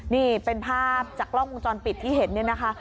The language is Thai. นี่เป็นภาพจากกล้องวงจรปิดที่เห็นเนี่ยนะคะ